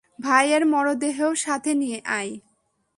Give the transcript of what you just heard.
ভাইয়ের মরদেহও সাথে নিয়ে আয়!